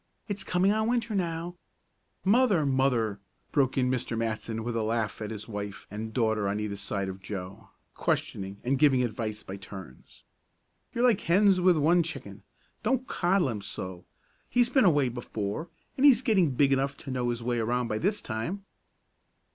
It's coming on Winter now " "Mother! Mother!" broke in Mr. Matson, with a laugh at his wife and daughter on either side of Joe, questioning and giving advice by turns. "You're like hens with one chicken. Don't coddle him so. He's been away before, and he's getting big enough to know his way around by this time."